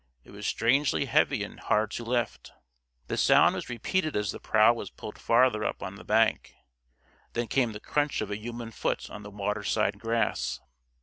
It was strangely heavy and hard to lift. The sound was repeated as the prow was pulled farther up on the bank. Then came the crunch of a human foot on the waterside grass.